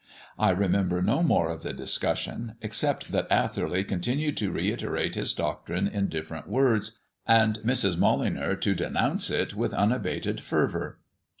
I remember no more of the discussion, except that Atherley continued to reiterate his doctrine in different words, and Mrs. Molyneux to denounce it with unabated fervour.